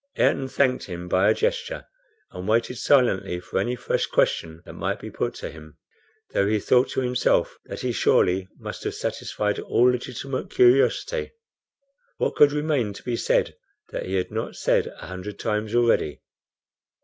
Ayrton thanked him by a gesture, and waited silently for any fresh question that might be put to him, though he thought to himself that he surely must have satisfied all legitimate curiosity. What could remain to be said that he had not said a hundred times already.